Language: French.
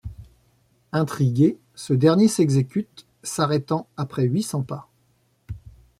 Intrigué, ce dernier s’exécute, s’arrêtant après huit cents pas.